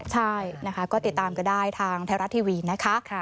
ใช่นะคะก็ติดตามกันได้ทางไทยรัฐทีวีนะคะ